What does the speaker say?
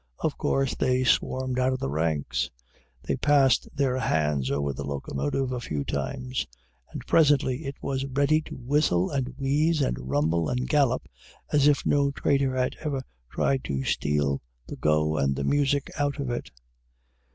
Of course they swarmed out of the ranks. They passed their hands over the locomotive a few times, and presently it was ready to whistle and wheeze and rumble and gallop, as if no traitor had ever tried to steal the go and the music out of it.